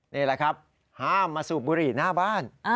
นี่แหละครับห้ามมาสูบบุหรี่หน้าบ้าน